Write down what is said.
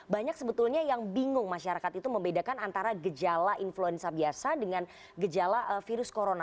banyak sebetulnya yang bingung masyarakat itu membedakan antara gejala influenza biasa dengan gejala virus corona